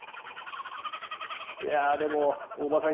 いやでも大場さん